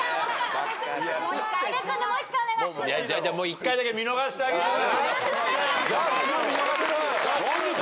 １回だけ見逃してあげるわ。